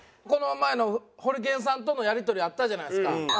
この前のホリケンさんとのやり取りあったじゃないですか